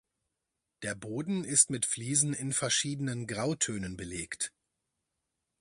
Der Boden ist mit Fliesen in verschiedenen Grautönen belegt.